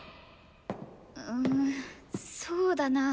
うんそうだなぁ。